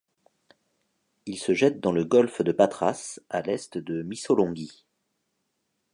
Il se jette dans le golfe de Patras à l'est de Missolonghi.